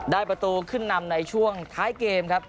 ประตูขึ้นนำในช่วงท้ายเกมครับ